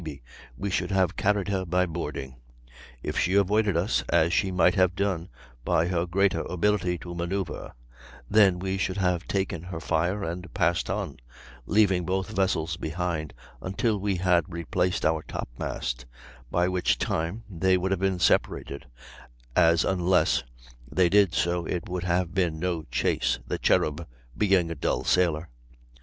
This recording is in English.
If we had come in contact with the Phoebe we should have carried her by boarding; if she avoided us, as she might have done by her greater ability to manoeuvre, then we should have taken her fire and passed on, leaving both vessels behind until we had replaced our top mast, by which time they would have been separated, as unless they did so it would have been no chase, the Cherub being a dull sailer.